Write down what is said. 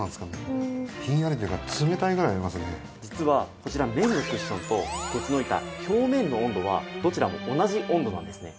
実はこちらの綿のクッションと鉄の板表面の温度はどちらも同じ温度なんですね。